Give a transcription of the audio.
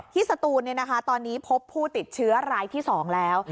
สตูนตอนนี้พบผู้ติดเชื้อรายที่๒แล้ว